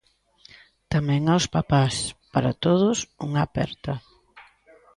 Tamén aos papás: para todos unha aperta.